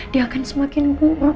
dia akan semakin buruk